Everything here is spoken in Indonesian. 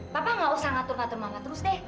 papa ga usah ngatur ngatur mama terus deh